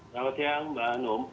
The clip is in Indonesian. selamat siang mbak anum